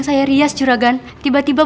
katanya ini saya tidak bisa arq